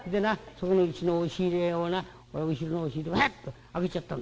そこのうちの押し入れをな後ろの押し入れをワッと開けちゃったんだ。